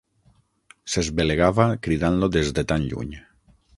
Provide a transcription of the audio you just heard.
S'esbelegava cridant-lo des de tan lluny.